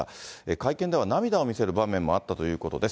会見では涙を見せる場面もあったということです。